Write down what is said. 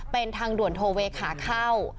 เป็นทางด่วนโทเวขาเข้า